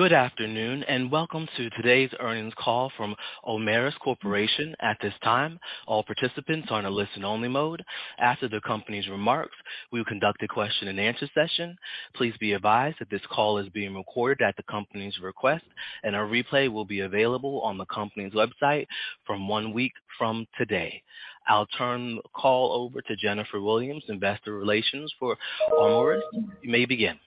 Good afternoon, welcome to today's earnings call from Omeros Corporation. At this time, all participants are on a listen-only mode. After the company's remarks, we will conduct a question-and-answer session. Please be advised that this call is being recorded at the company's request, and a replay will be available on the company's website from one week from today. I'll turn the call over to Jennifer Williams, investor relations for Omeros. You may begin.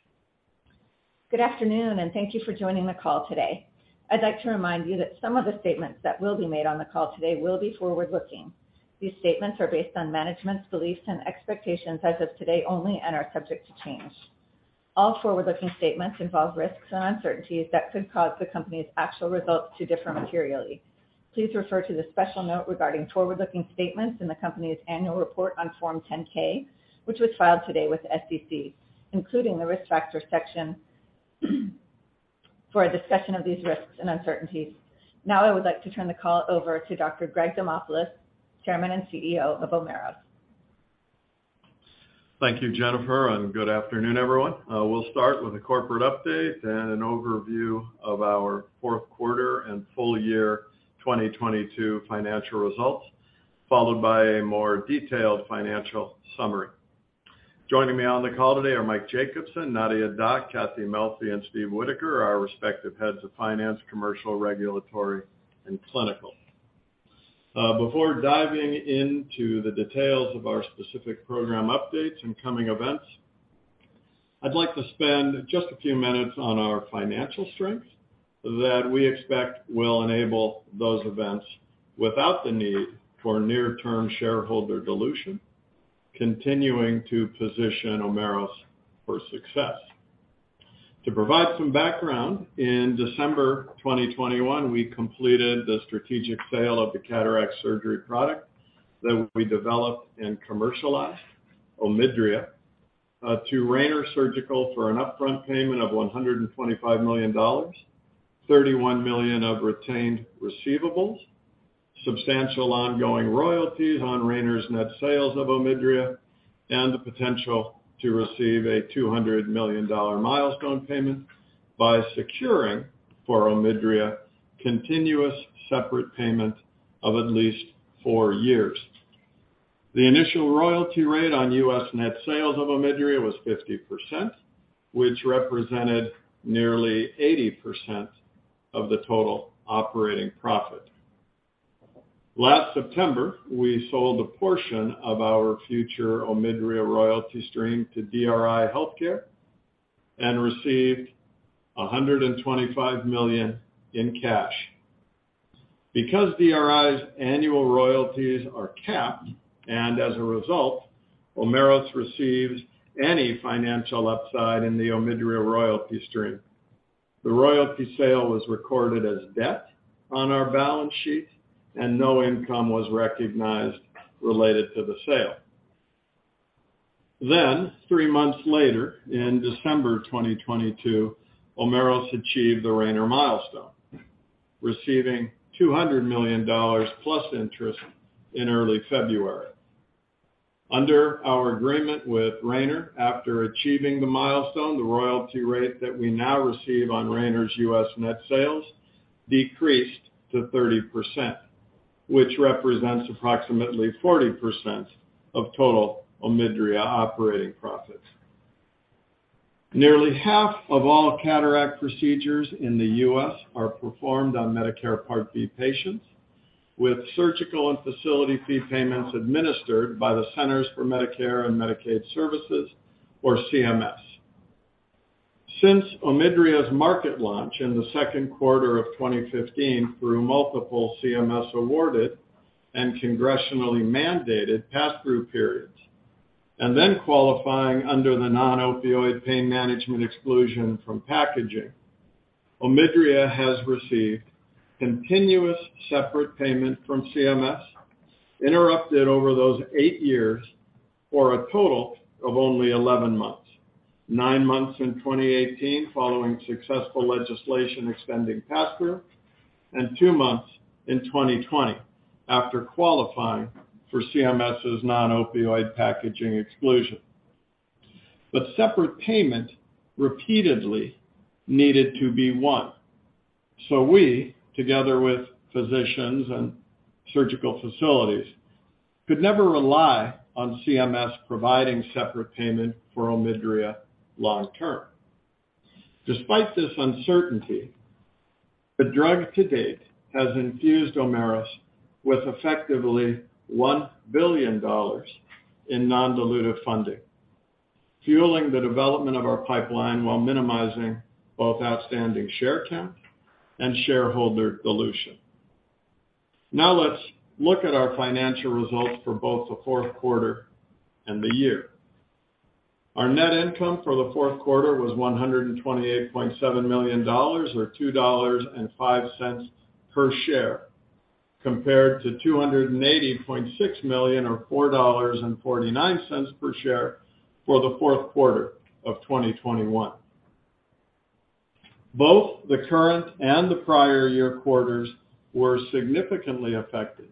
Good afternoon, and thank you for joining the call today. I'd like to remind you that some of the statements that will be made on the call today will be forward-looking. These statements are based on management's beliefs and expectations as of today only and are subject to change. All forward-looking statements involve risks and uncertainties that could cause the company's actual results to differ materially. Please refer to the special note regarding forward-looking statements in the company's annual report on Form 10-K, which was filed today with the SEC, including the Risk Factors section for a discussion of these risks and uncertainties. I would like to turn the call over to Dr. Greg Demopulos, Chairman and CEO of Omeros. Thank you, Jennifer, and good afternoon, everyone. We'll start with a corporate update and an overview of our fourth quarter and full year 2022 financial results, followed by a more detailed financial summary. Joining me on the call today are Mike Jacobsen, Nadia Dac, Cathy Melfi, and Steve Whitaker, our respective heads of finance, commercial, regulatory, and clinical. Before diving into the details of our specific program updates and coming events, I'd like to spend just a few minutes on our financial strength that we expect will enable those events without the need for near-term shareholder dilution, continuing to position Omeros for success. To provide some background, in December 2021, we completed the strategic sale of the cataract surgery product that we developed and commercialized, OMIDRIA, to Rayner Surgical for an upfront payment of $125 million, $31 million of retained receivables, substantial ongoing royalties on Rayner's net sales of OMIDRIA, and the potential to receive a $200 million milestone payment by securing for OMIDRIA continuous separate payment of at least four years. The initial royalty rate on U.S. net sales of OMIDRIA was 50%, which represented nearly 80% of the total operating profit. Last September, we sold a portion of our future OMIDRIA royalty stream to DRI Healthcare and received $125 million in cash. DRI's annual royalties are capped, and as a result, Omeros receives any financial upside in the OMIDRIA royalty stream. The royalty sale was recorded as debt on our balance sheet, and no income was recognized related to the sale. Three months later, in December 2022, Omeros achieved the Rayner milestone, receiving $200 million plus interest in early February. Under our agreement with Rayner after achieving the milestone, the royalty rate that we now receive on Rayner's U.S. net sales decreased to 30%, which represents approximately 40% of total OMIDRIA operating profits. Nearly half of all cataract procedures in the U.S. are performed on Medicare Part B patients, with surgical and facility fee payments administered by the Centers for Medicare & Medicaid Services, or CMS. Since OMIDRIA's market launch in the second quarter of 2015 through multiple CMS-awarded and congressionally mandated passthrough periods, and then qualifying under the non-opioid pain management exclusion from packaging, OMIDRIA has received continuous separate payment from CMS, interrupted over those eight years for a total of only 11 months. Nine months in 2018 following successful legislation extending passthrough, and two months in 2020 after qualifying for CMS' non-opioid packaging exclusion. Separate payment repeatedly needed to be won. We, together with physicians and surgical facilities, could never rely on CMS providing separate payment for OMIDRIA long term. Despite this uncertainty, the drug to date has infused Omeros with effectively $1 billion in non-dilutive funding, fueling the development of our pipeline while minimizing both outstanding share count and shareholder dilution. Now let's look at our financial results for both the fourth quarter and the year. Our net income for the fourth quarter was $128.7 million, or $2.05 per share, compared to $280.6 million or $4.49 per share for the fourth quarter of 2021. Both the current and the prior year quarters were significantly affected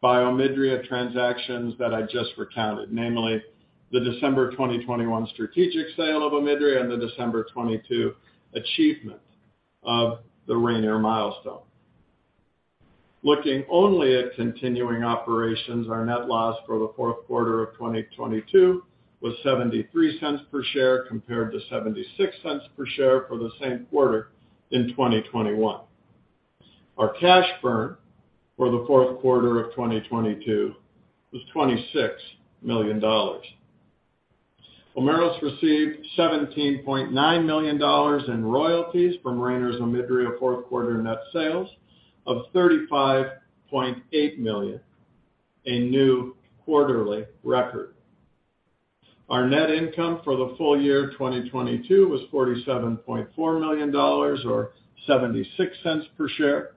by OMIDRIA transactions that I just recounted, namely the December 2021 strategic sale of OMIDRIA and the December 2022 achievement of the Rayner milestone. Looking only at continuing operations, our net loss for the fourth quarter of 2022 was $0.73 per share compared to $0.76 per share for the same quarter in 2021. Our cash burn for the fourth quarter of 2022 was $26 million. Omeros received $17.9 million in royalties from Rayner's OMIDRIA fourth quarter net sales of $35.8 million, a new quarterly record. Our net income for the full year 2022 was $47.4 million or $0.76 per share,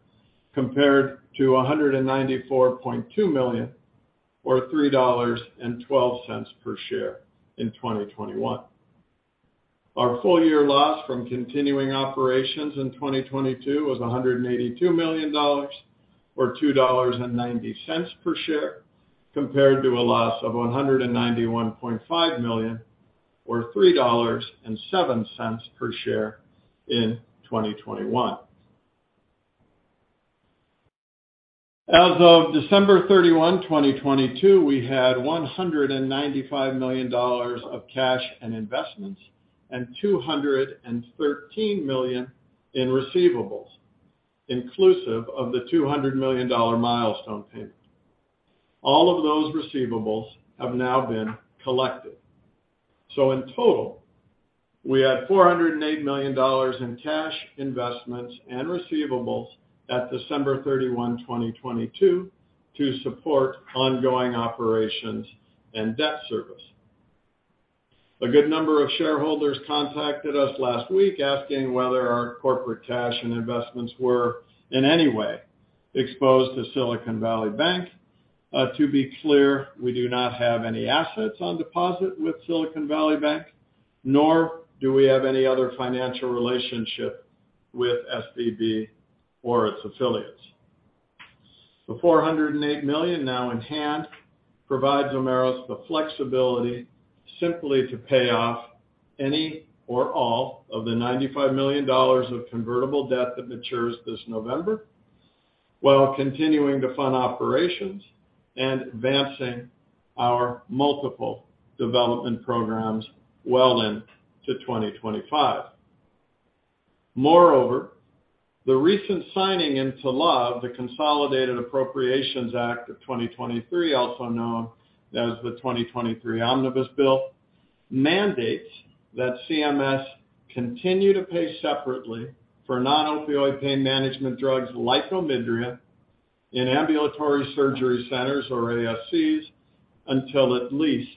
compared to $194.2 million or $3.12 per share in 2021. Our full-year loss from continuing operations in 2022 was $182 million or $2.90 per share, compared to a loss of $191.5 million or $3.07 per share in 2021. As of December 31, 2022, we had $195 million of cash and investments and $213 million in receivables, inclusive of the $200 million milestone payment. All of those receivables have now been collected. In total, we had $408 million in cash, investments and receivables at December 31, 2022 to support ongoing operations and debt service. A good number of shareholders contacted us last week asking whether our corporate cash and investments were in any way exposed to Silicon Valley Bank. To be clear, we do not have any assets on deposit with Silicon Valley Bank, nor do we have any other financial relationship with Silicon Valley Bank or its affiliates. The $408 million now in hand provides Omeros the flexibility simply to pay off any or all of the $95 million of convertible debt that matures this November, while continuing to fund operations and advancing our multiple development programs well into 2025. The recent signing into law of the Consolidated Appropriations Act of 2023, also known as the 2023 Omnibus Bill, mandates that CMS continue to pay separately for non-opioid pain management drugs like OMIDRIA in ambulatory surgery centers or ASCs until at least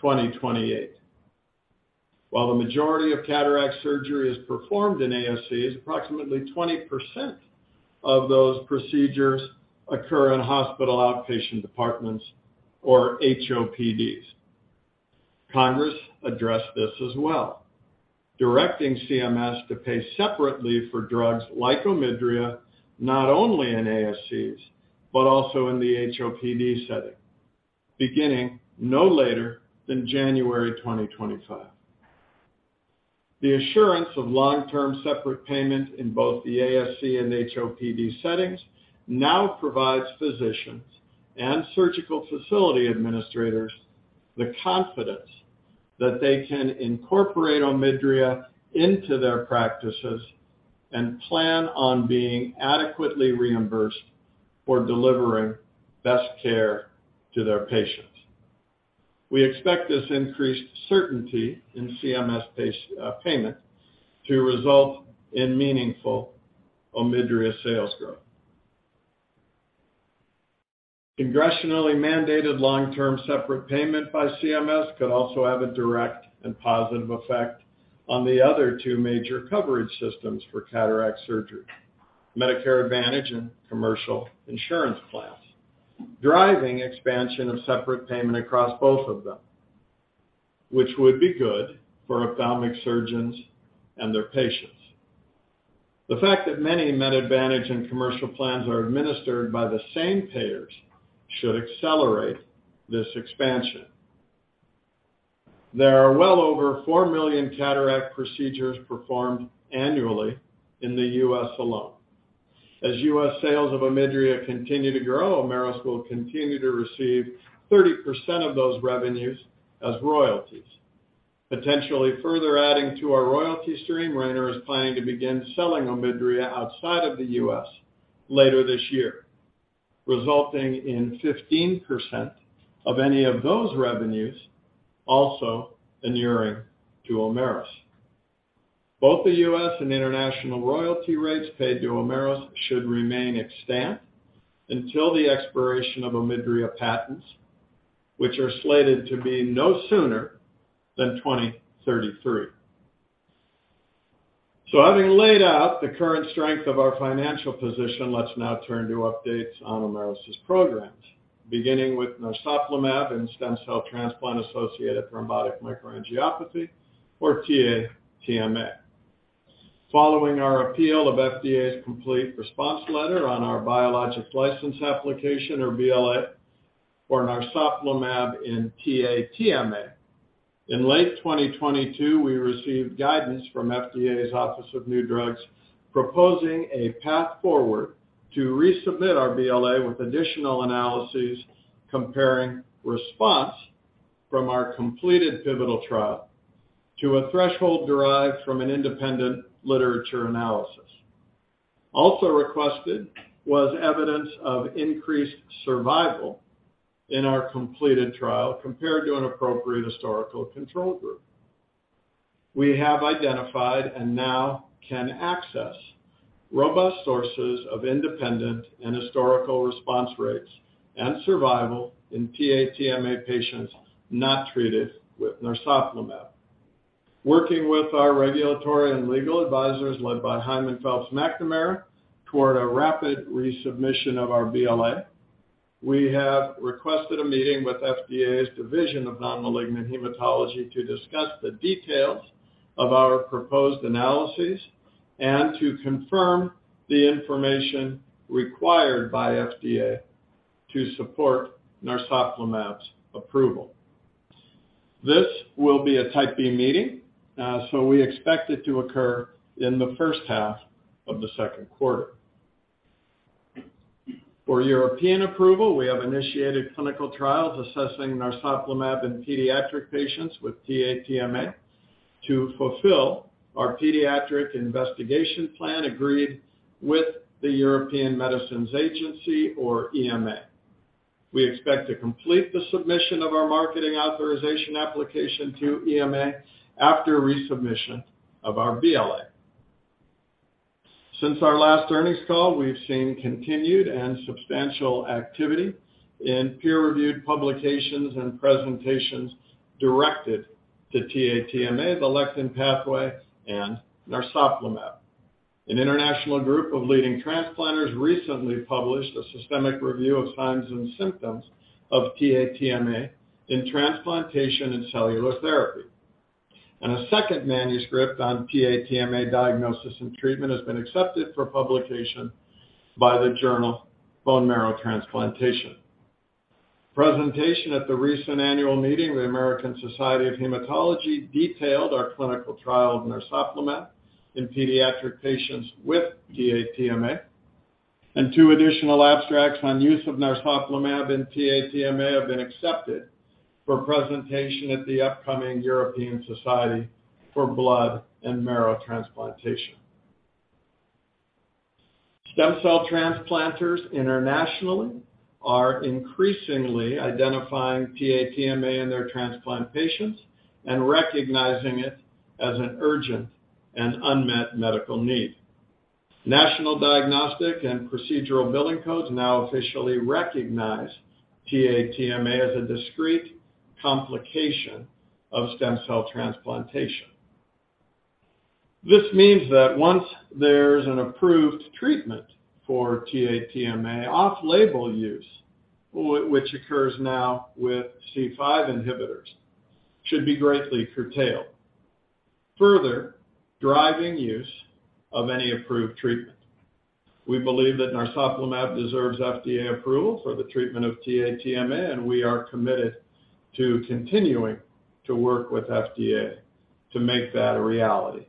2028. While the majority of cataract surgery is performed in ASCs, approximately 20% of those procedures occur in hospital outpatient departments or HOPDs. Congress addressed this as well, directing CMS to pay separately for drugs like OMIDRIA not only in ASCs, but also in the HOPD setting, beginning no later than January 2025. The assurance of long-term separate payment in both the ASCs and HOPDs settings now provides physicians and surgical facility administrators the confidence that they can incorporate OMIDRIA into their practices and plan on being adequately reimbursed for delivering best care to their patients. We expect this increased certainty in CMS pay, payment to result in meaningful OMIDRIA sales growth. Congressionally mandated long-term separate payment by CMS could also have a direct and positive effect on the other two major coverage systems for cataract surgery, Medicare Advantage and commercial insurance plans, driving expansion of separate payment across both of them, which would be good for ophthalmic surgeons and their patients. The fact that many Med Advantage and commercial plans are administered by the same payers should accelerate this expansion. There are well over 4 million cataract procedures performed annually in the U.S. alone. As U.S. sales of OMIDRIA continue to grow, Omeros will continue to receive 30% of those revenues as royalties. Potentially further adding to our royalty stream, Rayner is planning to begin selling OMIDRIA outside of the U.S. later this year, resulting in 15% of any of those revenues also inuring to Omeros. Both the U.S. and international royalty rates paid to Omeros should remain extant until the expiration of OMIDRIA patents, which are slated to be no sooner than 2033. Having laid out the current strength of our financial position, let's now turn to updates on Omeros's programs, beginning with narsoplimab and stem cell transplant-associated thrombotic microangiopathy or TA-TMA. Following our appeal of FDA's complete response letter on our Biologics License Application or BLA for narsoplimab in TA-TMA. In late 2022, we received guidance from FDA's Office of New Drugs proposing a path forward to resubmit our BLA with additional analyses comparing response from our completed pivotal trial to a threshold derived from an independent literature analysis. Also requested was evidence of increased survival in our completed trial compared to an appropriate historical control group. We have identified and now can access robust sources of independent and historical response rates and survival in TA-TMA patients not treated with narsoplimab. Working with our regulatory and legal advisors led by Hyman, Phelps & McNamara toward a rapid resubmission of our BLA. We have requested a meeting with FDA's Division of Non-Malignant Hematology to discuss the details of our proposed analyses and to confirm the information required by FDA to support narsoplimab's approval. This will be a Type B meeting, so we expect it to occur in the first half of the second quarter. For European approval, we have initiated clinical trials assessing narsoplimab in pediatric patients with TA-TMA to fulfill our paediatric investigation plan agreed with the European Medicines Agency or EMA. We expect to complete the submission of our Marketing Authorization Application to EMA after resubmission of our BLA. Since our last earnings call, we've seen continued and substantial activity in peer-reviewed publications and presentations directed to TA-TMA, the lectin pathway, and narsoplimab. An international group of leading transplanters recently published a systemic review of signs and symptoms of TA-TMA in transplantation and cellular therapy. A second manuscript on TA-TMA diagnosis and treatment has been accepted for publication by the journal Bone Marrow Transplantation. Presentation at the recent annual meeting of the American Society of Hematology detailed our clinical trial of narsoplimab in pediatric patients with TA-TMA. Two additional abstracts on use of narsoplimab in TA-TMA have been accepted for presentation at the upcoming European Society for Blood and Marrow Transplantation. Stem cell transplanters internationally are increasingly identifying TA-TMA in their transplant patients and recognizing it as an urgent and unmet medical need. National diagnostic and procedural billing codes now officially recognize TA-TMA as a discrete complication of stem cell transplantation. This means that once there's an approved treatment for TA-TMA, off-label use, which occurs now with C5 inhibitors, should be greatly curtailed, further driving use of any approved treatment. We believe that narsoplimab deserves FDA approval for the treatment of TA-TMA, and we are committed to continuing to work with FDA to make that a reality.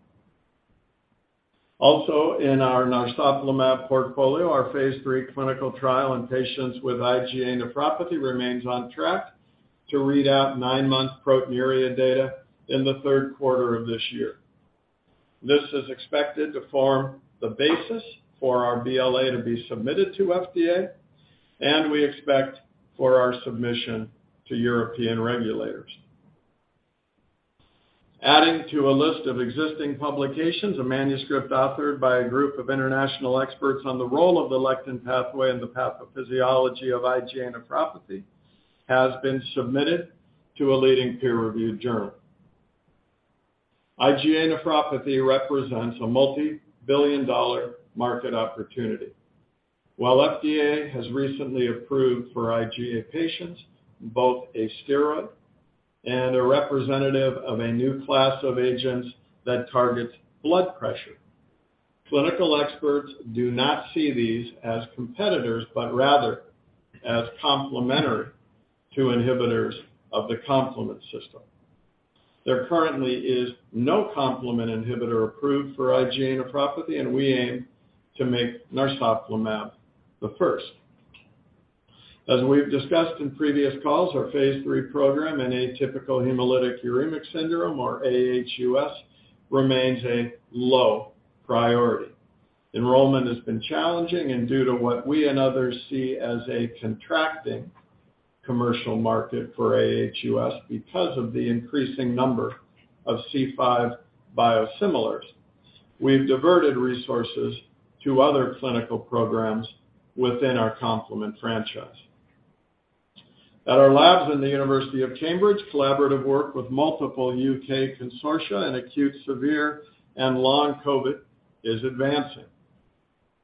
In our narsoplimab portfolio, our phase III clinical trial in patients with IgA nephropathy remains on track to read out nine-month proteinuria data in the third quarter of this year. This is expected to form the basis for our BLA to be submitted to FDA and we expect for our submission to European regulators. To a list of existing publications, a manuscript authored by a group of international experts on the role of the lectin pathway in the pathophysiology of IgA nephropathy has been submitted to a leading peer-reviewed journal. IgA nephropathy represents a multi-billion dollar market opportunity. FDA has recently approved for IgA patients both a steroid and a representative of a new class of agents that targets blood pressure, clinical experts do not see these as competitors, but rather as complementary to inhibitors of the complement system. There currently is no complement inhibitor approved for IgA nephropathy, and we aim to make narsoplimab the first. As we've discussed in previous calls, our phase III program in atypical hemolytic uremic syndrome or aHUS remains a low priority. Enrollment has been challenging due to what we and others see as a contracting commercial market for aHUS because of the increasing number of C5 biosimilars, we've diverted resources to other clinical programs within our complement franchise. At our labs in the University of Cambridge, collaborative work with multiple U.K. consortia in acute severe and long COVID is advancing.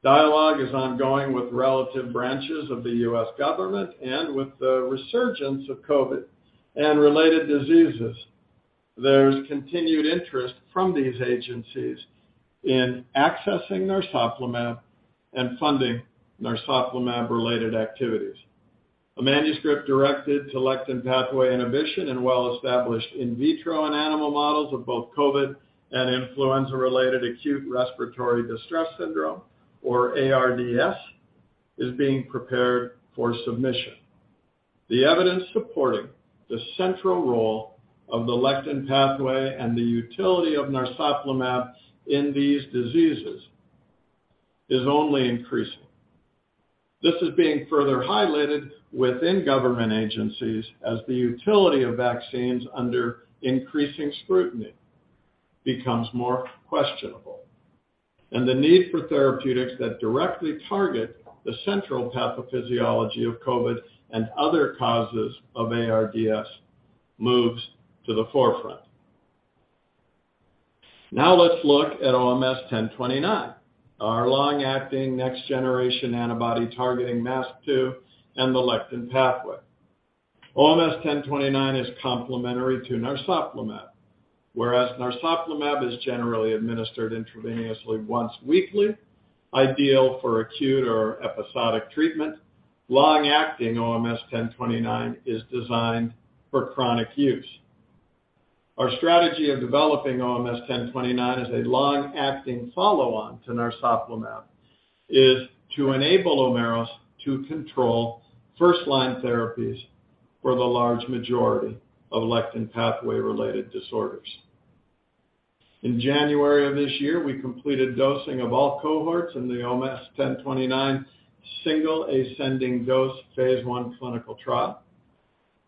Dialogue is ongoing with relative branches of the U.S. government and with the resurgence of COVID and related diseases. There's continued interest from these agencies in accessing narsoplimab and funding narsoplimab-related activities. A manuscript directed to lectin pathway inhibition and well-established in vitro and animal models of both COVID and influenza-related acute respiratory distress syndrome, or ARDS, is being prepared for submission. The evidence supporting the central role of the lectin pathway and the utility of narsoplimab in these diseases is only increasing. This is being further highlighted within government agencies as the utility of vaccines under increasing scrutiny becomes more questionable, and the need for therapeutics that directly target the central pathophysiology of COVID and other causes of ARDS moves to the forefront. Now let's look at OMS1029, our long-acting next generation antibody targeting MASP-2 and the lectin pathway. OMS1029 is complementary to narsoplimab. Whereas narsoplimab is generally administered intravenously once weekly, ideal for acute or episodic treatment, long-acting OMS1029 is designed for chronic use. Our strategy of developing OMS1029 as a long-acting follow-on to narsoplimab is to enable Omeros to control first-line therapies for the large majority of lectin pathway-related disorders. In January of this year, we completed dosing of all cohorts in the OMS1029 single ascending dose phase I clinical trial.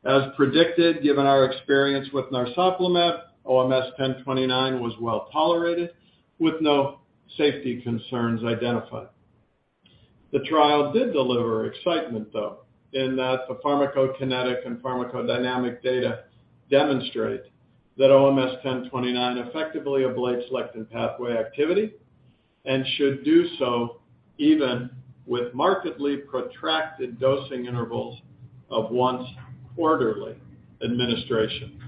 As predicted, given our experience with narsoplimab, OMS1029 was well-tolerated with no safety concerns identified. The trial did deliver excitement, though, in that the pharmacokinetic and pharmacodynamic data demonstrate that OMS1029 effectively ablates lectin pathway activity and should do so even with markedly protracted dosing intervals of once quarterly administration.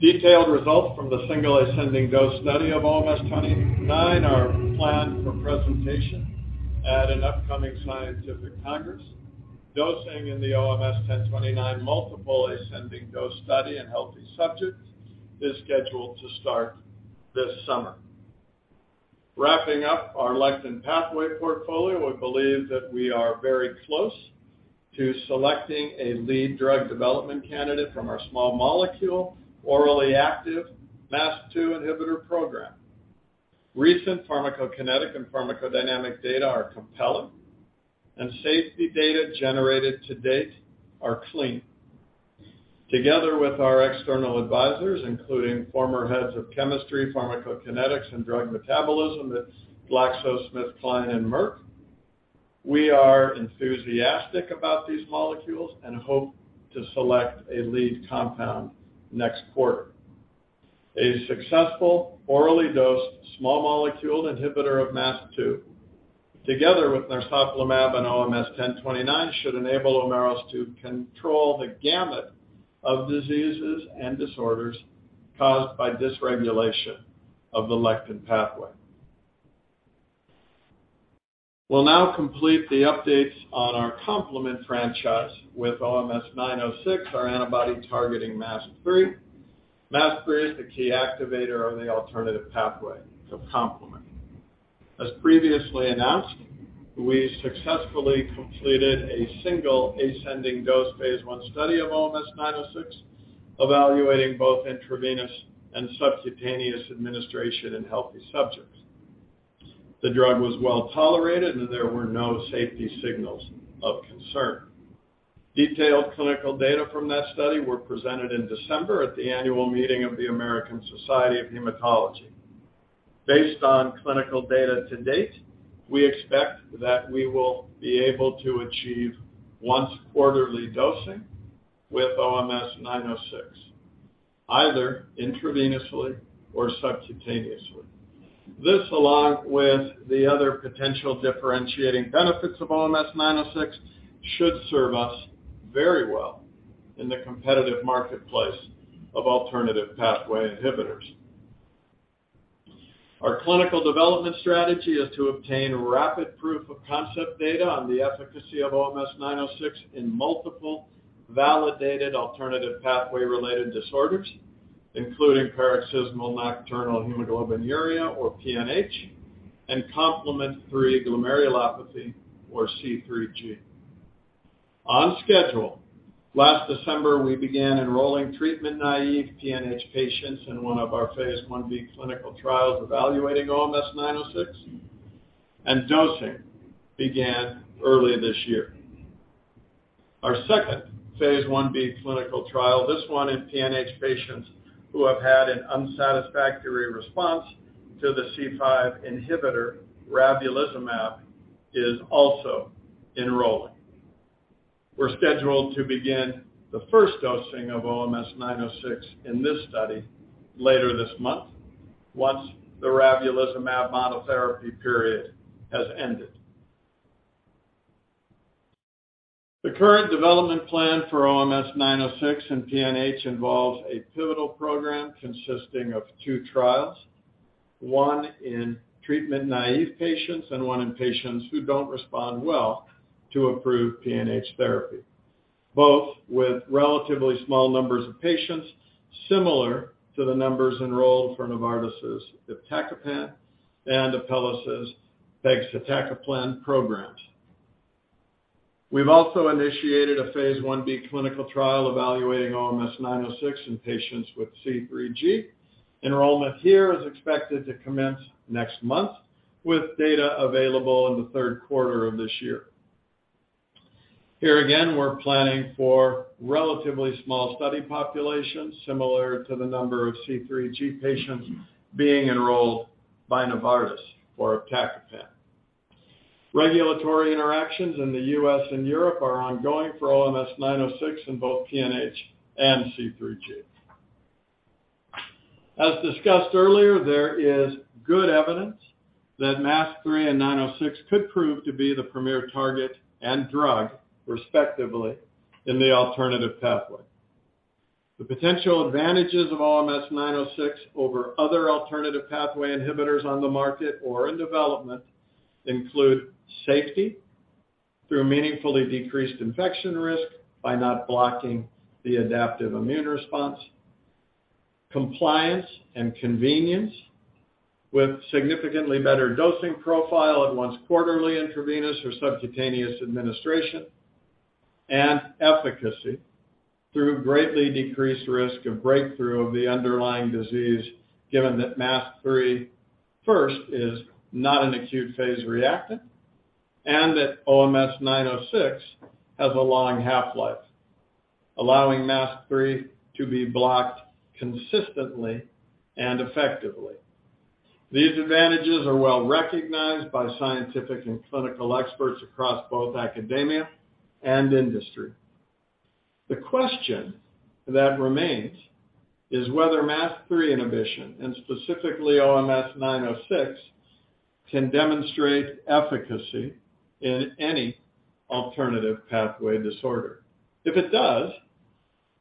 Detailed results from the single ascending dose study of OMS1029 are planned for presentation at an upcoming scientific congress. Dosing in the OMS1029 multiple ascending dose study in healthy subjects is scheduled to start this summer. Wrapping up our lectin pathway portfolio, we believe that we are very close to selecting a lead drug development candidate from our small molecule orally active MASP-2 inhibitor program. Recent pharmacokinetic and pharmacodynamic data are compelling, and safety data generated to date are clean. Together with our external advisors, including former heads of chemistry, pharmacokinetics, and drug metabolism at GlaxoSmithKline and Merck, we are enthusiastic about these molecules and hope to select a lead compound next quarter. A successful orally dosed small molecule inhibitor of MASP-2, together with narsoplimab and OMS1029, should enable Omeros to control the gamut of diseases and disorders caused by dysregulation of the lectin pathway. We'll now complete the updates on our complement franchise with OMS906, our antibody targeting MASP-3. MASP-3 is the key activator of the alternative pathway to complement. As previously announced, we successfully completed a single ascending dose phase I study of OMS 906, evaluating both intravenous and subcutaneous administration in healthy subjects. The drug was well-tolerated, and there were no safety signals of concern. Detailed clinical data from that study were presented in December at the annual meeting of the American Society of Hematology. Based on clinical data to date, we expect that we will be able to achieve once quarterly dosing with OMS 906, either intravenously or subcutaneously. This, along with the other potential differentiating benefits of OMS 906, should serve us very well in the competitive marketplace of alternative pathway inhibitors. Our clinical development strategy is to obtain rapid proof of concept data on the efficacy of OMS 906 in multiple validated alternative pathway-related disorders, including paroxysmal nocturnal hemoglobinuria, or PNH, and complement 3 glomerulopathy, or C3G. On schedule, last December, we began enrolling treatment-naive PNH patients in one of our phase I-b clinical trials evaluating OMS906. Dosing began early this year. Our second phase I-b clinical trial, this one in PNH patients who have had an unsatisfactory response to the C5 inhibitor, ravulizumab, is also enrolling. We're scheduled to begin the first dosing of OMS906 in this study later this month once the ravulizumab monotherapy period has ended. The current development plan for OMS906 and PNH involves a pivotal program consisting of two trials, one in treatment-naive patients and one in patients who don't respond well to approved PNH therapy, both with relatively small numbers of patients similar to the numbers enrolled for Novartis' iptacopan and Apellis' pegcetacoplan programs. We've also initiated a phase I-b clinical trial evaluating OMS906 in patients with C3G. Enrollment here is expected to commence next month, with data available in the third quarter of this year. Here again, we're planning for relatively small study populations similar to the number of C3G patients being enrolled by Novartis for iptacopan. Regulatory interactions in the U.S. and Europe are ongoing for OMS906 in both PNH and C3G. As discussed earlier, there is good evidence that MASP-3 and OMS906 could prove to be the premier target and drug, respectively, in the alternative pathway. The potential advantages of OMS906 over other alternative pathway inhibitors on the market or in development include safety through meaningfully decreased infection risk by not blocking the adaptive immune response, compliance and convenience with significantly better dosing profile at once quarterly intravenous or subcutaneous administration, and efficacy through greatly decreased risk of breakthrough of the underlying disease, given that MASP-3, first, is not an acute phase reactant and that OMS906 has a long half-life, allowing MASP-3 to be blocked consistently and effectively. These advantages are well-recognized by scientific and clinical experts across both academia and industry. The question that remains is whether MASP-3 inhibition, and specifically OMS906, can demonstrate efficacy in any alternative pathway disorder. If it does,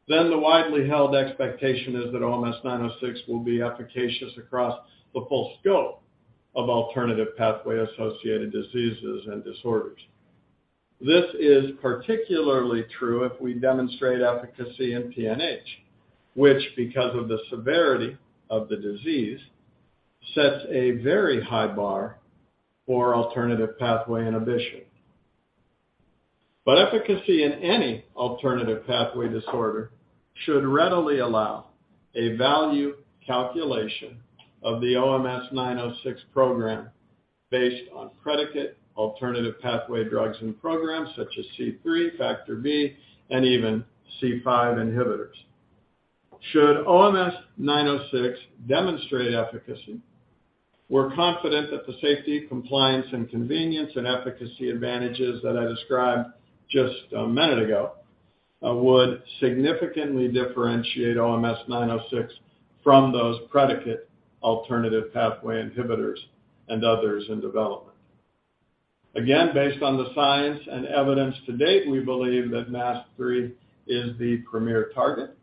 the widely held expectation is that OMS906 will be efficacious across the full scope of alternative pathway-associated diseases and disorders. This is particularly true if we demonstrate efficacy in PNH, which, because of the severity of the disease, sets a very high bar for alternative pathway inhibition. Efficacy in any alternative pathway disorder should readily allow a value calculation of the OMS906 program based on predicate alternative pathway drugs and programs such as C3, Factor B, and even C5 inhibitors. Should OMS906 demonstrate efficacy, we're confident that the safety, compliance, and convenience and efficacy advantages that I described just a minute ago would significantly differentiate OMS906 from those predicate alternative pathway inhibitors and others in development. Again, based on the science and evidence to date, we believe that MASP-3 is the premier target,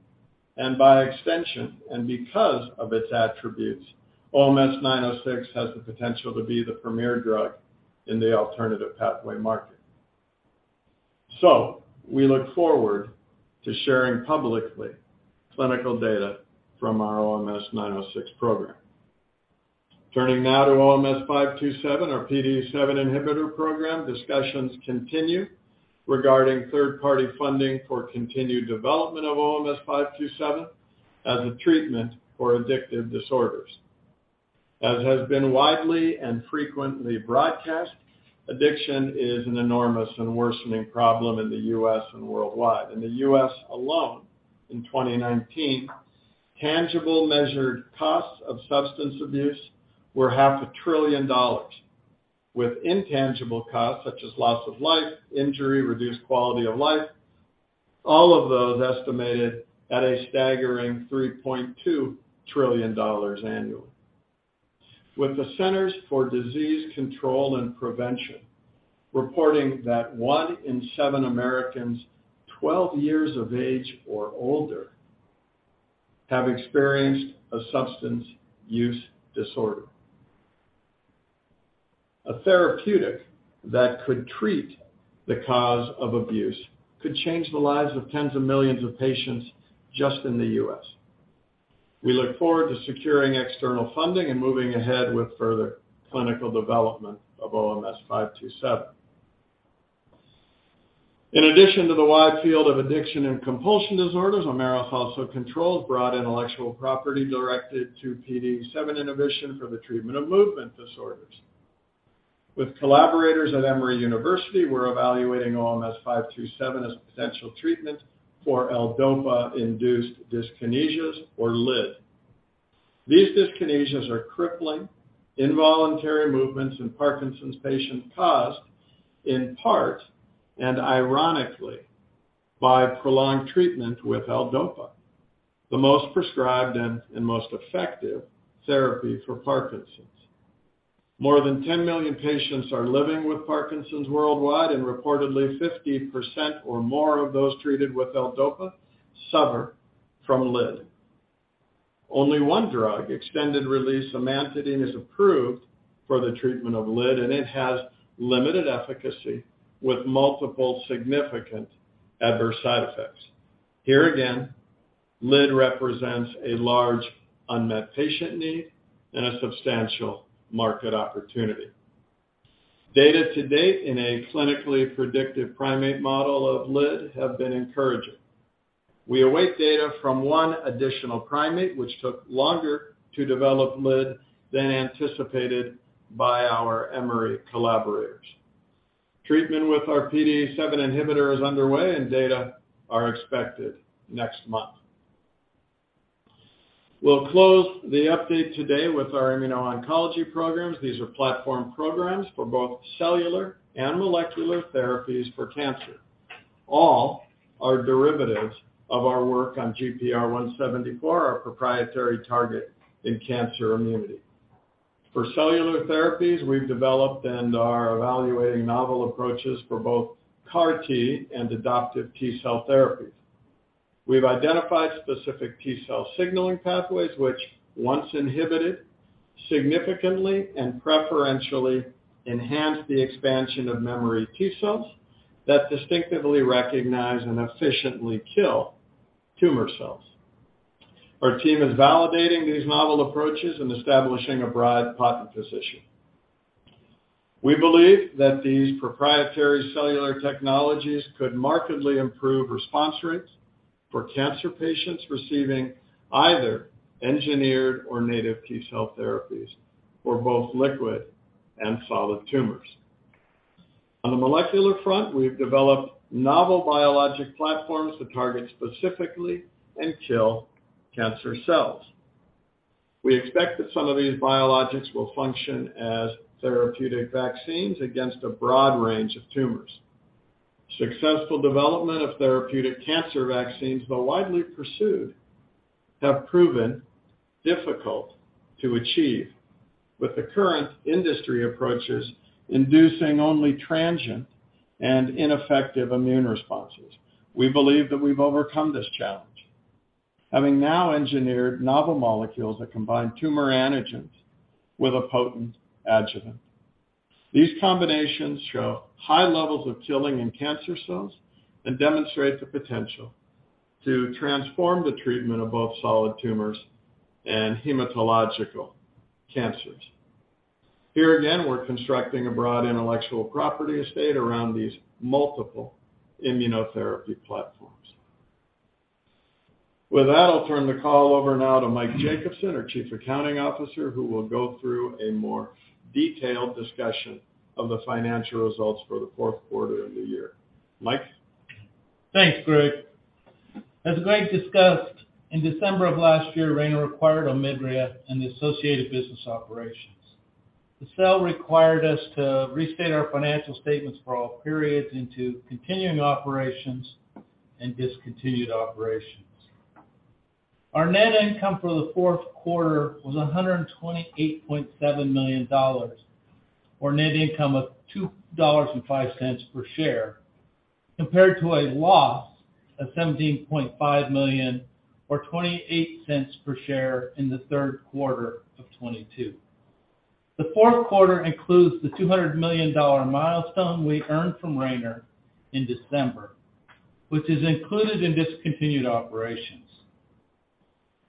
and by extension and because of its attributes, OMS906 has the potential to be the premier drug in the alternative pathway market. We look forward to sharing publicly clinical data from our OMS906 program. Turning now to OMS527, our PDE7 inhibitor program, discussions continue regarding third-party funding for continued development of OMS527 as a treatment for addictive disorders. As has been widely and frequently broadcast, addiction is an enormous and worsening problem in the U.S. and worldwide. In the U.S. alone, in 2019, tangible measured costs of substance abuse were $0.5 trillion Dollars, with intangible costs such as loss of life, injury, reduced quality of life, all of those estimated at a staggering $3.2 trillion annually, with the Centers for Disease Control and Prevention reporting that one in seven Americans 12 years of age or older have experienced a substance use disorder. A therapeutic that could treat the cause of addiction could change the lives of tens of millions of patients just in the U.S. We look forward to securing external funding and moving ahead with further clinical development of OMS527. In addition to the wide field of addiction and compulsion disorders, Omeros also controls broad intellectual property directed to PDE7 inhibition for the treatment of movement disorders. With collaborators at Emory University, we're evaluating OMS527 as a potential treatment for L-DOPA-induced dyskinesias, or LID. These dyskinesias are crippling, involuntary movements in Parkinson's patients caused in part and ironically by prolonged treatment with L-DOPA, the most prescribed and most effective therapy for Parkinson's. More than 10 million patients are living with Parkinson's worldwide, and reportedly 50% or more of those treated with L-DOPA suffer from LID. Only one drug, extended-release amantadine, is approved for the treatment of LID, and it has limited efficacy with multiple significant adverse side effects. Here again, LID represents a large unmet patient need and a substantial market opportunity. Data to date in a clinically predictive primate model of LID have been encouraging. We await data from one additional primate, which took longer to develop LID than anticipated by our Emory collaborators. Treatment with our PDE7 inhibitor is underway and data are expected next month. We'll close the update today with our immuno-oncology programs. These are platform programs for both cellular and molecular therapies for cancer. All are derivatives of our work on GPR174, our proprietary target in cancer immunity. For cellular therapies, we've developed and are evaluating novel approaches for both CAR T and adoptive T-cell therapies. We've identified specific T-cell signaling pathways which, once inhibited, significantly and preferentially enhance the expansion of memory T cells that distinctively recognize and efficiently kill tumor cells. Our team is validating these novel approaches and establishing a broad patent position. We believe that these proprietary cellular technologies could markedly improve response rates for cancer patients receiving either engineered or native T-cell therapies for both liquid and solid tumors. On the molecular front, we've developed novel biologic platforms to target specifically and kill cancer cells. We expect that some of these biologics will function as therapeutic vaccines against a broad range of tumors. Successful development of therapeutic cancer vaccines, though widely pursued, have proven difficult to achieve with the current industry approaches inducing only transient and ineffective immune responses. We believe that we've overcome this challenge, having now engineered novel molecules that combine tumor antigens with a potent adjuvant. These combinations show high levels of killing in cancer cells and demonstrate the potential to transform the treatment of both solid tumors and hematological cancers. Here again, we're constructing a broad intellectual property estate around these multiple immunotherapy platforms. With that, I'll turn the call over now to Mike Jacobsen, our Chief Accounting Officer, who will go through a more detailed discussion of the financial results for the fourth quarter of the year. Mike? Thanks, Greg. As Greg discussed, in December of last year, Rayner acquired OMIDRIA and the associated business operations. The sale required us to restate our financial statements for all periods into continuing operations and discontinued operations. Our net income for the fourth quarter was $128.7 million, or net income of $2.05 per share, compared to a loss of $17.5 million or $0.28 per share in the third quarter of 2022. The fourth quarter includes the $200 million milestone we earned from Rayner in December, which is included in discontinued operations.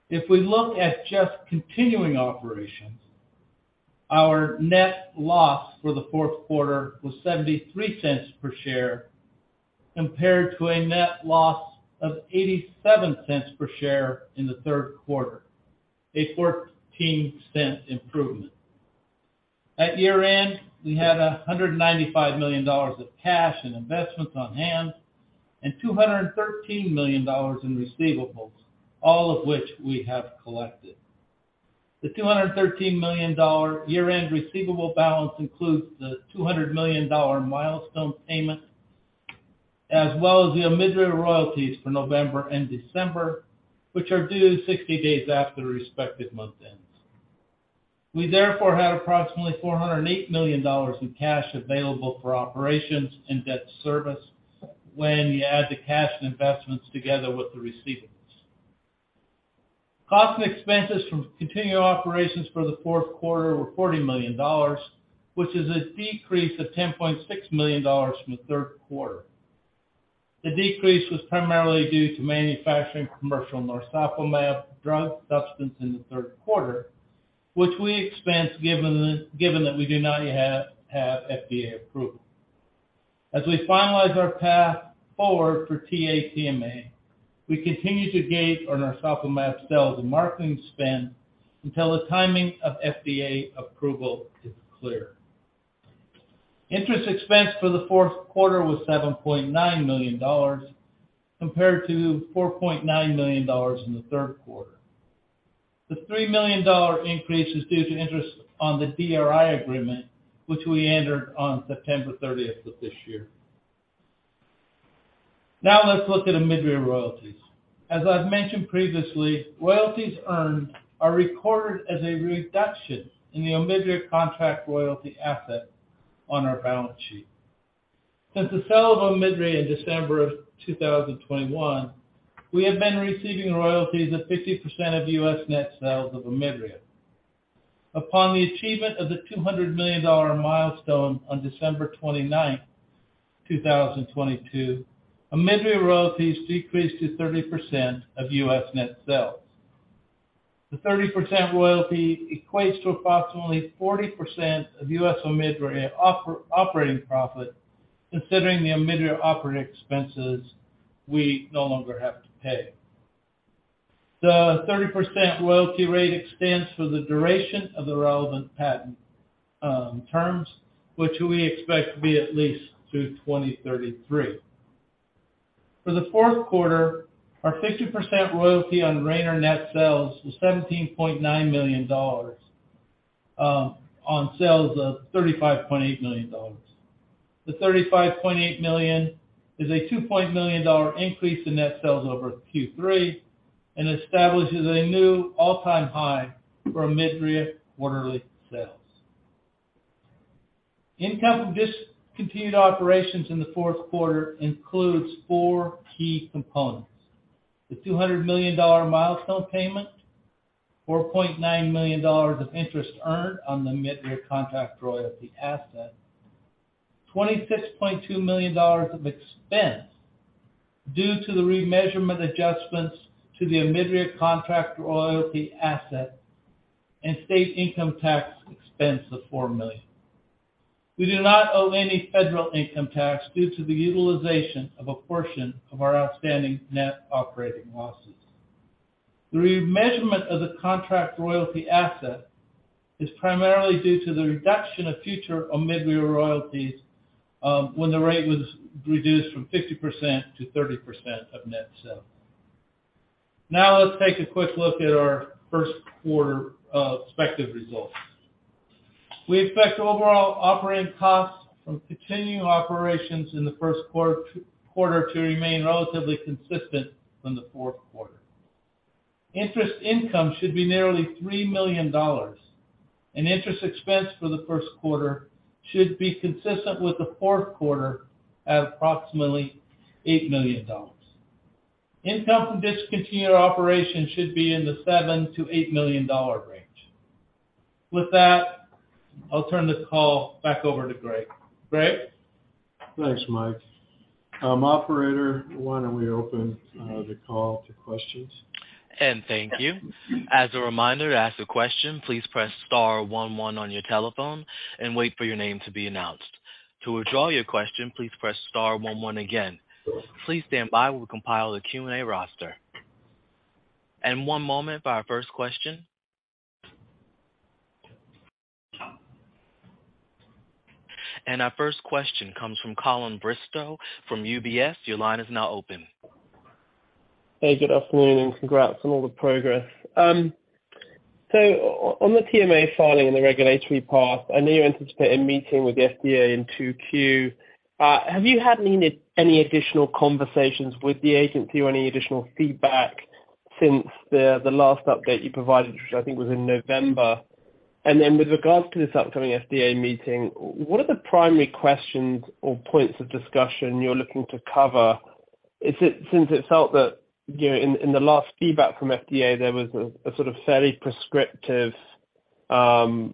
We look at just continuing operations, our net loss for the fourth quarter was $0.73 per share compared to a net loss of $0.87 per share in the third quarter, a $0.14 improvement. At year-end, we had $195 million of cash and investments on hand and $213 million in receivables, all of which we have collected. The $213 million year-end receivable balance includes the $200 million milestone payment as well as the OMIDRIA royalties for November and December, which are due 60 days after the respective month ends. We therefore had approximately $408 million in cash available for operations and debt service when you add the cash and investments together with the receivables. Cost and expenses from continuing operations for the fourth quarter were $40 million, which is a decrease of $10.6 million from the third quarter. The decrease was primarily due to manufacturing commercial narsoplimab drug substance in the third quarter, which we expensed, given that we do not yet have FDA approval. As we finalize our path forward for TA-TMA, we continue to gauge on narsoplimab sales and marketing spend until the timing of FDA approval is clear. Interest expense for the fourth quarter was $7.9 million compared to $4.9 million in the third quarter. The $3 million increase is due to interest on the DRI agreement, which we entered on September 30th of this year. Let's look at OMIDRIA royalties. As I've mentioned previously, royalties earned are recorded as a reduction in the OMIDRIA contract royalty asset on our balance sheet. Since the sale of OMIDRIA in December of 2021, we have been receiving royalties of 50% of U.S. net sales of OMIDRIA. Upon the achievement of the $200 million milestone on December 29th, 2022, OMIDRIA royalties decreased to 30% of U.S. net sales. The 30% royalty equates to approximately 40% of U.S. OMIDRIA operating profit, considering the OMIDRIA operating expenses we no longer have to pay. The 30% royalty rate extends for the duration of the relevant patent terms, which we expect to be at least through 2033. For the fourth quarter, our 50% royalty on Rayner net sales was $17.9 million on sales of $35.8 million. The $35.8 million is a $2 million increase in net sales over Q3 and establishes a new all-time high for OMIDRIA quarterly sales. Income from discontinued operations in the fourth quarter includes four key components. The $200 million milestone payment, $4.9 million of interest earned on the OMIDRIA contract royalty asset, $26.2 million of expense due to the remeasurement adjustments to the OMIDRIA contract royalty asset, and state income tax expense of $4 million. We do not owe any federal income tax due to the utilization of a portion of our outstanding net operating losses. The remeasurement of the contract royalty asset is primarily due to the reduction of future OMIDRIA royalties, when the rate was reduced from 50% to 30% of net sales. Now let's take a quick look at our first quarter expected results. We expect overall operating costs from continuing operations in the first quarter to remain relatively consistent from the fourth quarter. Interest income should be nearly $3 million, and interest expense for the first quarter should be consistent with the fourth quarter at approximately $8 million. Income from discontinued operation should be in the $7 million-$8 million range. With that, I'll turn the call back over to Greg. Greg? Thanks, Mike. Operator, why don't we open the call to questions? Thank you. As a reminder, to ask a question, please press star one one on your telephone and wait for your name to be announced. To withdraw your question, please press star one one again. Please stand by while we compile the Q&A roster. One moment for our first question. Our first question comes from Colin Bristow from UBS. Your line is now open. Hey, good afternoon, and congrats on all the progress. on the PMA filing and the regulatory path, I know you anticipate a meeting with the FDA in 2Q. Have you had any additional conversations with the agency or any additional feedback since the last update you provided, which I think was in November? With regards to this upcoming FDA meeting, what are the primary questions or points of discussion you're looking to cover? Is it since it felt that, you know, in the last feedback from FDA, there was a sort of fairly prescriptive kind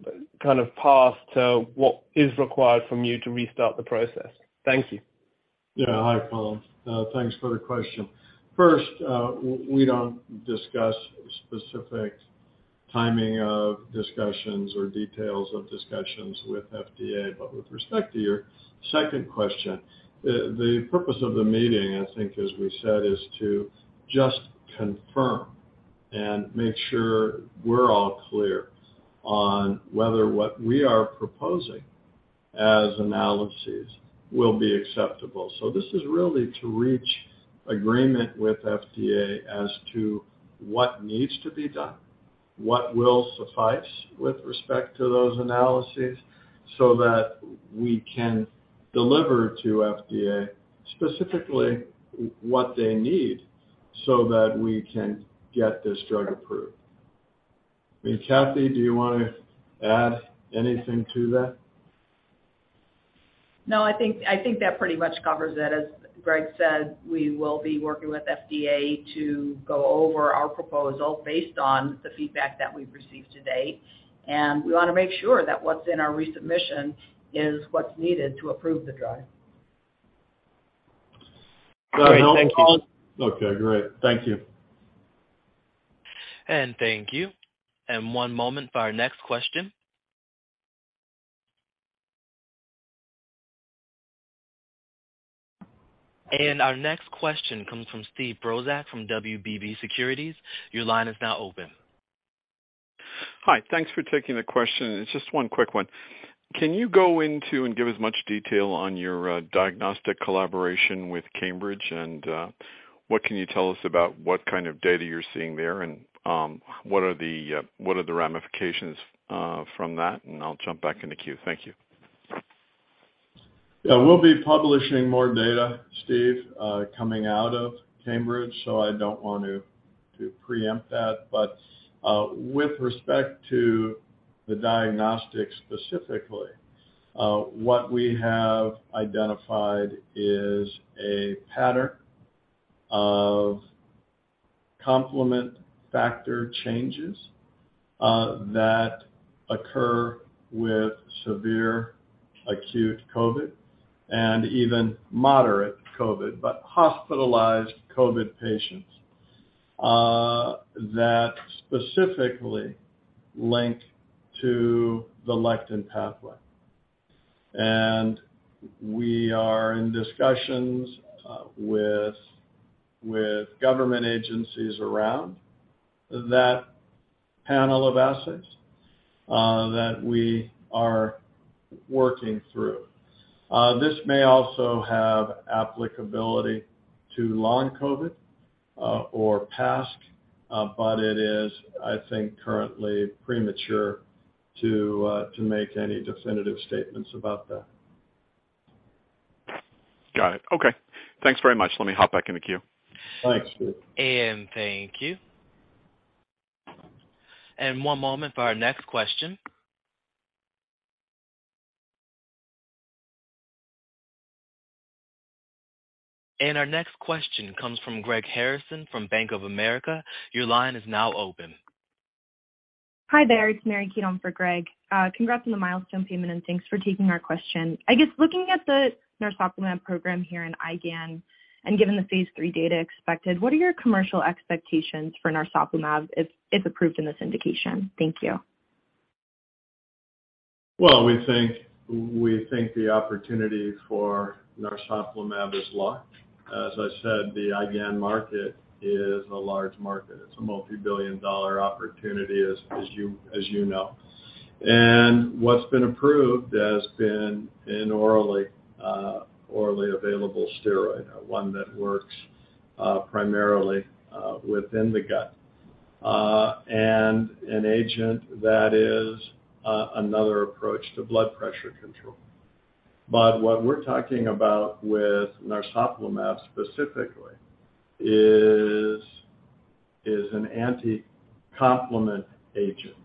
of path to what is required from you to restart the process. Thank you. Yeah. Hi, Colin. Thanks for the question. First, we don't discuss specific timing of discussions or details of discussions with FDA. With respect to your second question, the purpose of the meeting, I think, as we said, is to just confirm and make sure we're all clear on whether what we are proposing as analyses will be acceptable. This is really to reach agreement with FDA as to what needs to be done, what will suffice with respect to those analyses, so that we can deliver to FDA specifically what they need so that we can get this drug approved. I mean, Cathy, do you wanna add anything to that? No, I think that pretty much covers it. As Greg said, we will be working with FDA to go over our proposal based on the feedback that we've received to date. We wanna make sure that what's in our resubmission is what's needed to approve the drug. Great. Thank you. Okay, great. Thank you. Thank you. One moment for our next question. Our next question comes from Steve Brozak from WBB Securities. Your line is now open. Hi. Thanks for taking the question. It's just one quick one. Can you go into and give as much detail on your diagnostic collaboration with Cambridge? What can you tell us about what kind of data you're seeing there, and what are the ramifications from that? I'll jump back in the queue. Thank you. Yeah. We'll be publishing more data, Steve, coming out of Cambridge, so I don't want to preempt that. With respect to the diagnostics specifically, what we have identified is a pattern of complement factor changes, that occur with severe acute COVID and even moderate COVID, but hospitalized COVID patients, that specifically link to the lectin pathway. We are in discussions, with government agencies around that panel of assays, that we are working through. This may also have applicability to long COVID, or PASC, it is, I think, currently premature to make any definitive statements about that. Got it. Okay. Thanks very much. Let me hop back in the queue. Thanks. Thank you. One moment for our next question. Our next question comes from Greg Harrison from Bank of America. Your line is now open. Hi there. It's Mary Kate for Greg. Congrats on the milestone payment, thanks for taking our question. I guess looking at the narsoplimab program here in IgAN, given the phase III data expected, what are your commercial expectations for narsoplimab if approved in this indication? Thank you. Well, we think the opportunity for narsoplimab is large. As I said, the IgAN market is a large market. It's a multi-billion dollar opportunity as you know. What's been approved has been an orally available steroid, one that works primarily within the gut, and an agent that is another approach to blood pressure control. What we're talking about with narsoplimab specifically is an anti-complement agent.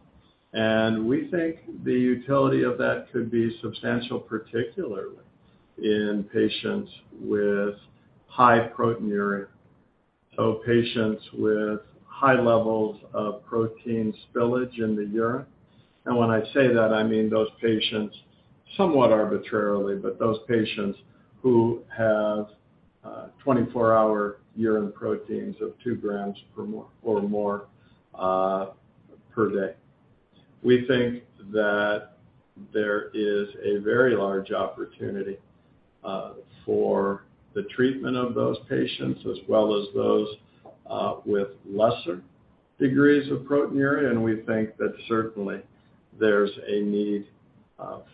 We think the utility of that could be substantial, particularly in patients with high proteinuria, so patients with high levels of protein spillage in the urine. When I say that, I mean those patients somewhat arbitrarily, but those patients who have 24-hour urine proteins of 2 g or more per day. We think that there is a very large opportunity for the treatment of those patients as well as those with lesser degrees of proteinuria, and we think that certainly there's a need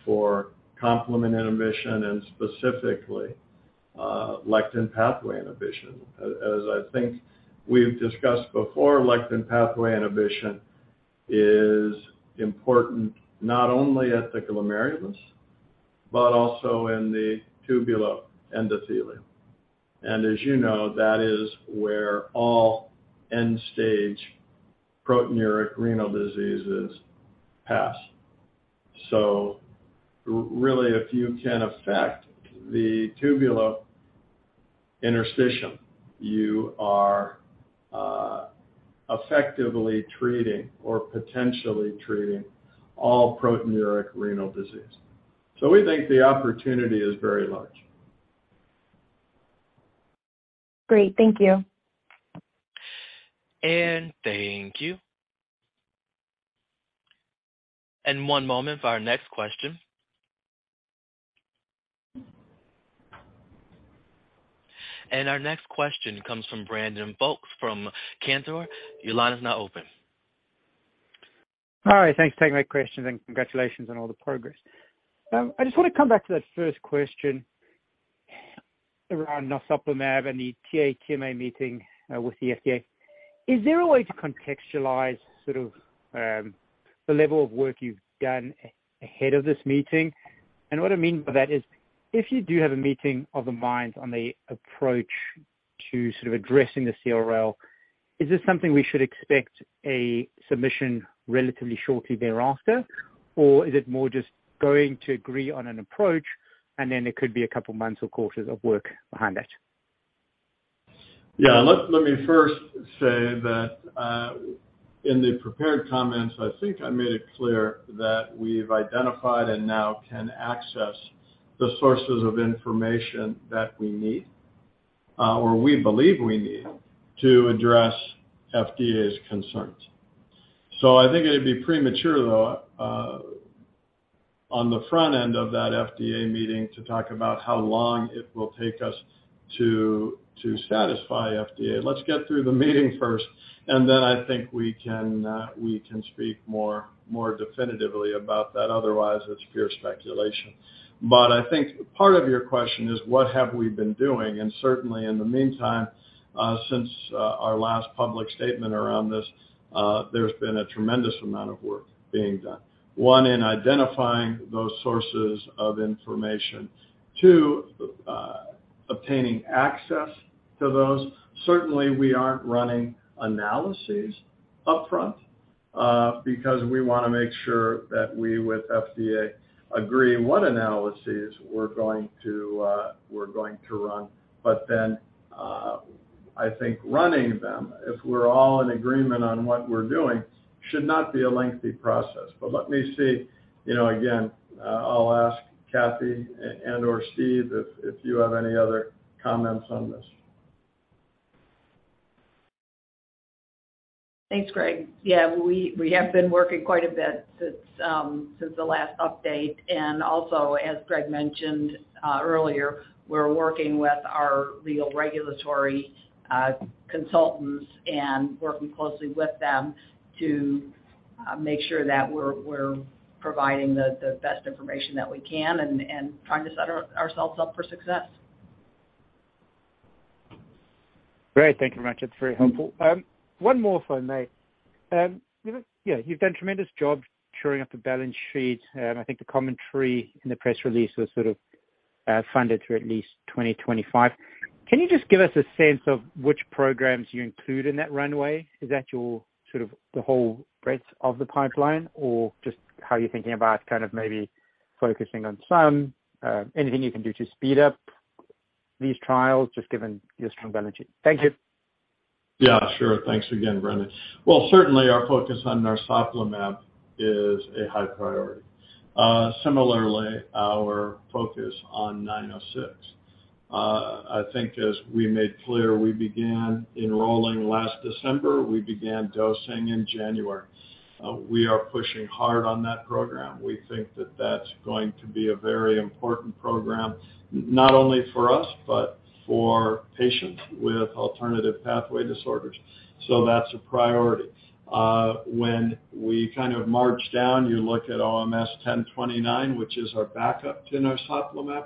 for complement inhibition and specifically lectin pathway inhibition. As I think we've discussed before, lectin pathway inhibition is important not only at the glomerulus but also in the tubulointerstitium. As you know, that is where all end-stage proteinuria renal diseases pass. Really, if you can affect the tubulointerstitium, you are effectively treating or potentially treating all proteinuria renal disease. We think the opportunity is very large. Great. Thank you. Thank you. One moment for our next question. Our next question comes from Brandon Folkes from Cantor Fitzgerald. Your line is now open. Hi. Thanks for taking my questions, and congratulations on all the progress. I just wanna come back to that first question around narsoplimab and the TA-TMA meeting with the FDA. Is there a way to contextualize sort of, the level of work you've done ahead of this meeting? What I mean by that is, if you do have a meeting of the minds on the approach to sort of addressing the CRL, is this something we should expect a submission relatively shortly thereafter? Is it more just going to agree on an approach and then it could be a couple of months or quarters of work behind it? Let me first say that in the prepared comments, I think I made it clear that we've identified and now can access the sources of information that we need, or we believe we need to address FDA's concerns. I think it'd be premature, though, on the front end of that FDA meeting to talk about how long it will take us to satisfy FDA. Let's get through the meeting first, and then I think we can speak more definitively about that. Otherwise, it's pure speculation. I think part of your question is what have we been doing? Certainly, in the meantime, since our last public statement around this, there's been a tremendous amount of work being done. One, in identifying those sources of information. Two, obtaining access to those. Certainly, we aren't running analyses up front, because we wanna make sure that we, with FDA, agree what analyses we're going to run. Then, I think running them, if we're all in agreement on what we're doing, should not be a lengthy process. Let me see, you know, again, I'll ask Cathy and/or Steve if you have any other comments on this. Thanks, Greg. Yeah. We have been working quite a bit since the last update. Also, as Greg mentioned earlier, we're working with our real regulatory consultants and working closely with them to make sure that we're providing the best information that we can and trying to set ourselves up for success. Great. Thank you very much. That's very helpful. one more, if I may. you know, yeah, you've done a tremendous job shoring up the balance sheet, and I think the commentary in the press release was sort of funded through at least 2025. Can you just give us a sense of which programs you include in that runway? Is that your sort of the whole breadth of the pipeline, or just how you're thinking about kind of maybe focusing on some, anything you can do to speed up these trials just given your strong balance sheet? Thank you. Yeah, sure. Thanks again, Brandon. Certainly, our focus on narsoplimab is a high priority. Similarly, our focus on OMS906. I think as we made clear, we began enrolling last December. We began dosing in January. We are pushing hard on that program. We think that that's going to be a very important program, not only for us, but for patients with alternative pathway disorders. That's a priority. When we kind of march down, you look at OMS1029, which is our backup to narsoplimab,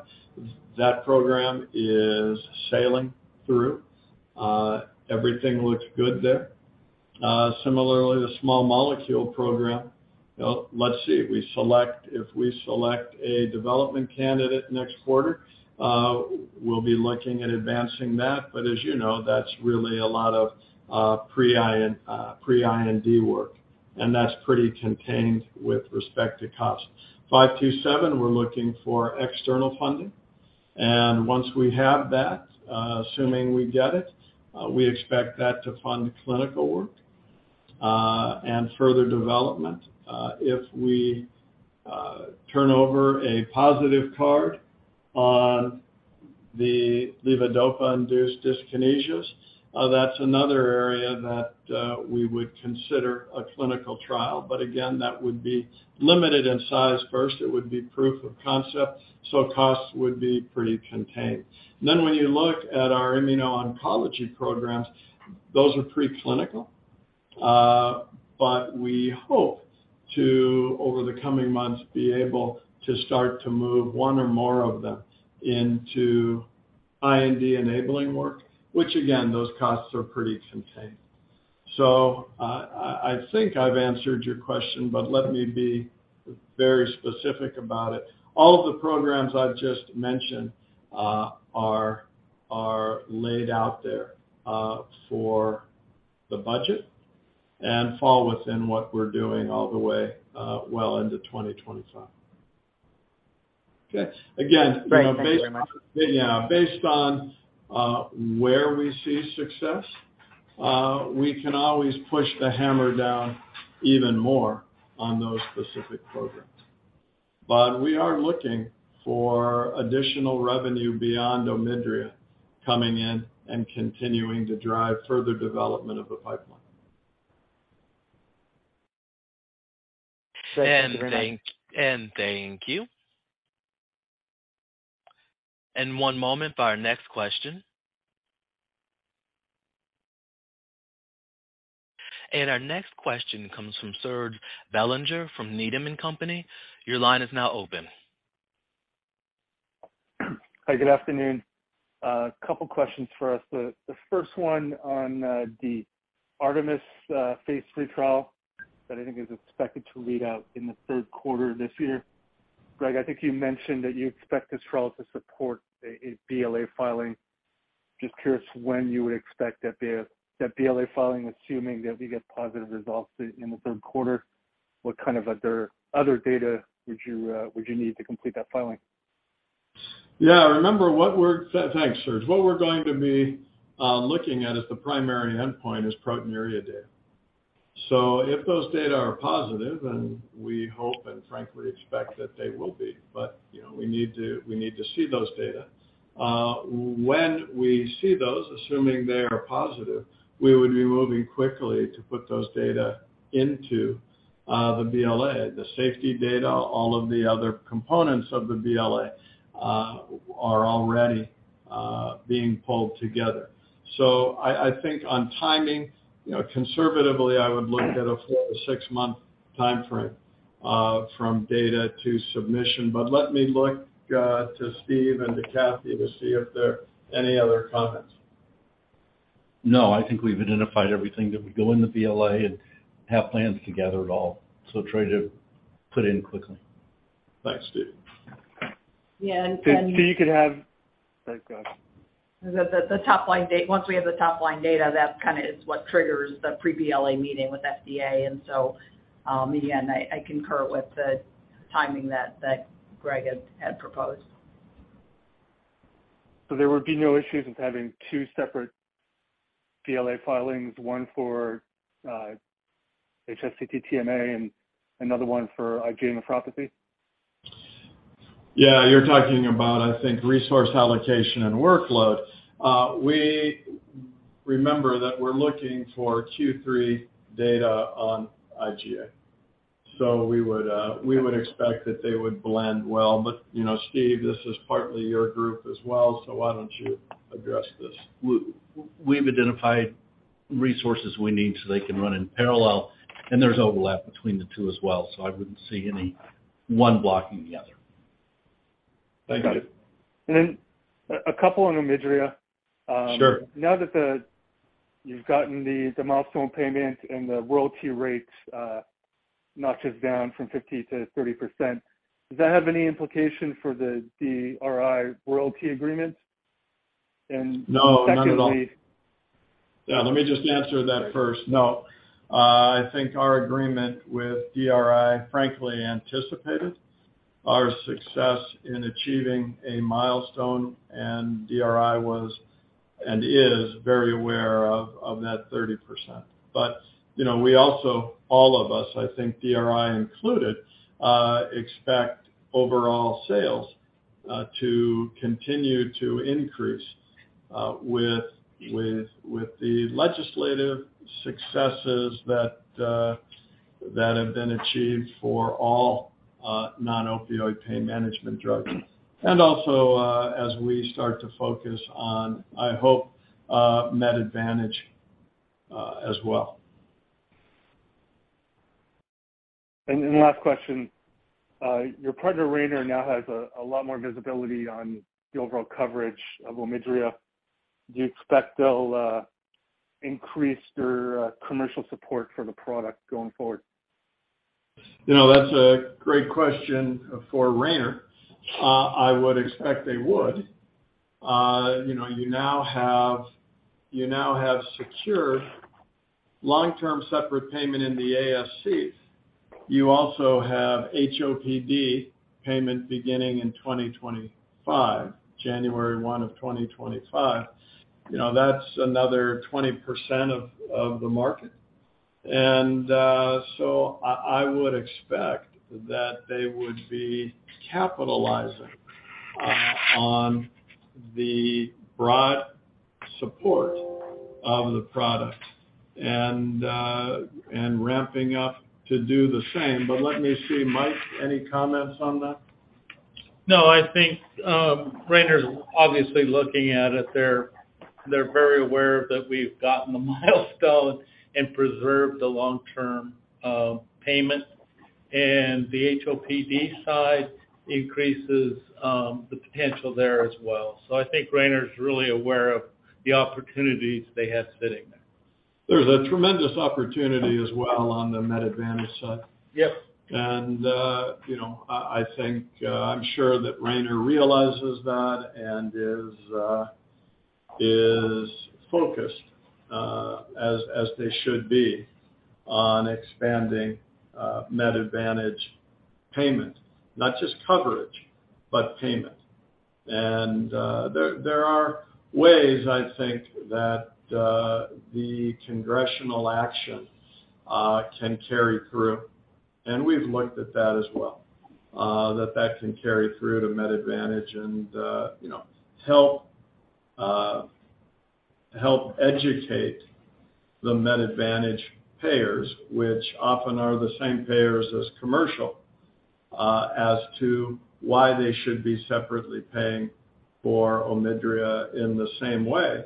that program is sailing through. Everything looks good there. Similarly, the small molecule program. Let's see, if we select a development candidate next quarter, we'll be looking at advancing that. As you know, that's really a lot of pre-IND and pre-IND work, and that's pretty contained with respect to cost. OMS527, we're looking for external funding. Once we have that, assuming we get it, we expect that to fund clinical work and further development. If we turn over a positive card on the levodopa-induced dyskinesias, that's another area that we would consider a clinical trial. Again, that would be limited in size first. It would be proof of concept. Costs would be pretty contained. When you look at our immuno-oncology programs, those are preclinical. But we hope to, over the coming months, be able to start to move one or more of them into IND-enabling work, which again, those costs are pretty contained. I think I've answered your question, but let me be very specific about it. All of the programs I've just mentioned, are laid out there for the budget and fall within what we're doing all the way well into 2025. Okay. Again, based— Great. Thank you very much. Yeah. Based on, where we see success, we can always push the hammer down even more on those specific programs. We are looking for additional revenue beyond OMIDRIA coming in and continuing to drive further development of the pipeline. Thanks. Thank you. One moment for our next question. Our next question comes from Serge Belanger from Needham & Company. Your line is now open. Hi, good afternoon. A couple of questions for us. The first one on the ARTEMIS-IGAN phase III trial that I think is expected to read out in the third quarter this year. Greg, I think you mentioned that you expect this trial to support a BLA filing. Just curious when you would expect that BLA filing, assuming that we get positive results in the third quarter, what kind of other data would you need to complete that filing? Yeah. Remember what we're—thanks, Serge. What we're going to be looking at is the primary endpoint is proteinuria data. If those data are positive, and we hope and frankly expect that they will be, but, you know, we need to, we need to see those data. When we see those, assuming they are positive, we would be moving quickly to put those data into the BLA. The safety data, all of the other components of the BLA are already being pulled together. I think on timing, you know, conservatively, I would look at a four- to six-month time frame from data to submission. Let me look to Steve and to Cathy to see if there are any other comments. I think we've identified everything that would go in the BLA and have plans to gather it all, so try to put in quickly. Thanks, Steve. Yeah and— You could have—go ahead. The top-line data. Once we have the top-line data, that kinda is what triggers the pre-BLA meeting with FDA. Again, I concur with the timing that Greg had proposed. There would be no issues with having two separate BLA filings, one for HSCT-TMA and another one for IgA nephropathy? Yeah. You're talking about, I think, resource allocation and workload. We remember that we're looking for Q3 data on IgA. We would expect that they would blend well. You know, Steve, this is partly your group as well, so why don't you address this? We've identified resources we need so they can run in parallel, and there's overlap between the two as well. I wouldn't see any one blocking the other. Thank you. Got it. Then a couple on OMIDRIA. Sure. Now that you've gotten the milestone payment and the royalty rates, notches down from 50% to 30%, does that have any implication for the DRI royalty agreement? Secondly— No, none at all. Yeah, let me just answer that first. No. I think our agreement with DRI, frankly anticipated our success in achieving a milestone, and DRI was and is very aware of that 30%. You know, we also, all of us, I think DRI included, expect overall sales to continue to increase with the legislative successes that have been achieved for all non-opioid pain management drugs. Also, as we start to focus on, I hope, Med Advantage as well. Last question. Your partner, Rayner, now has a lot more visibility on the overall coverage of OMIDRIA. Do you expect they'll increase their commercial support for the product going forward? You know, that's a great question for Rayner. I would expect they would. You know, you now have secured long-term separate payment in the ASC. You also have HOPD payment beginning in 2025, January 1 of 2025. You know, that's another 20% of the market. So I would expect that they would be capitalizing on the broad support of the product and ramping up to do the same. Let me see. Mike, any comments on that? No, I think Rayner's obviously looking at it. They're very aware that we've gotten the milestone and preserved the long-term payment. The HOPD side increases the potential there as well. I think Rayner is really aware of the opportunities they have sitting there. There's a tremendous opportunity as well on the Med Advantage side. Yep. You know, I think, I'm sure that Rayner realizes that and is focused, as they should be, on expanding, Med Advantage payment. Not just coverage, but payment. There are ways, I think, that, the congressional actions, can carry through, and we've looked at that as well, that that can carry through to Med Advantage and, you know, help educate the Med Advantage payers, which often are the same payers as commercial, as to why they should be separately paying for OMIDRIA in the same way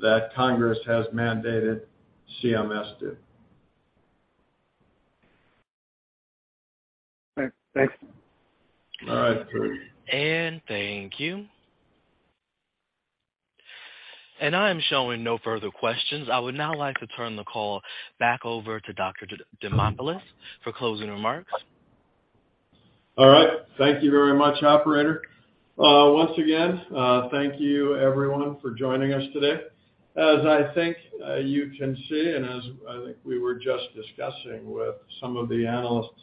that Congress has mandated CMS do. All right. Thanks. All right. Great. Thank you. I am showing no further questions. I would now like to turn the call back over to Dr. Demopulos for closing remarks. All right. Thank you very much, operator. once again, thank you everyone for joining us today. As I think, you can see, and as I think we were just discussing with some of the analysts,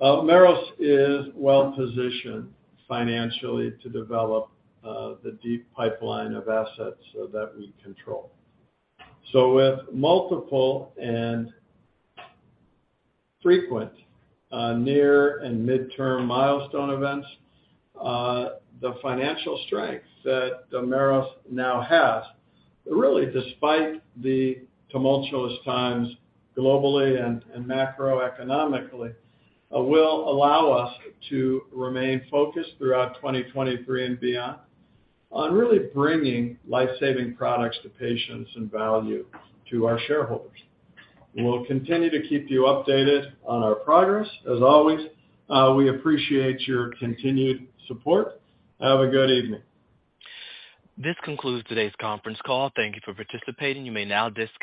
Omeros is well positioned financially to develop, the deep pipeline of assets that we control. With multiple and frequent, near and midterm milestone events, the financial strength that Omeros now has, really despite the tumultuous times globally and macroeconomically, will allow us to remain focused throughout 2023 and beyond on really bringing life-saving products to patients and value to our shareholders. We'll continue to keep you updated on our progress. As always, we appreciate your continued support. Have a good evening. This concludes today's conference call. Thank you for participating. You may now disconnect.